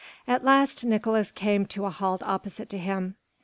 At last Nicolaes came to a halt opposite to him.